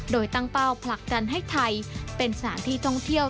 โดยตั้งเป้าผลักดันให้ไทยเป็นสถานที่ท่องเที่ยว